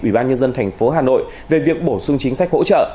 ủy ban nhân dân tp hà nội về việc bổ sung chính sách hỗ trợ